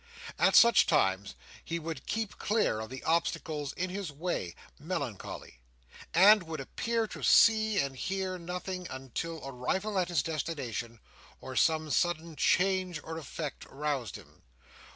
At such times, he would keep clear of the obstacles in his way, mechanically; and would appear to see and hear nothing until arrival at his destination, or some sudden chance or effort roused him.